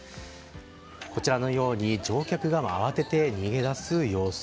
こちらのように乗客らが慌てて逃げ出す様子。